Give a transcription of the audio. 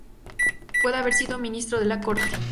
Puede haber sido ministro de la corte.